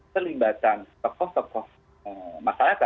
kelibatan tokoh tokoh masyarakat